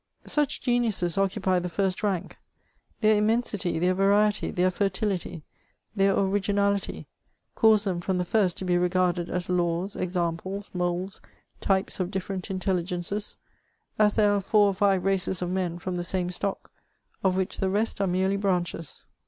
Such geniuses occupy the first rank ; their immensily, their variety, their fertility, their originality, cause them m>m the first to be regarded as laws, examples, moulds, types of different intelligences, as there are four or five races of men &om the same stock, of which the rest are merely branches.